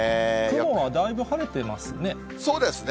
雲はだいぶ晴れてますね。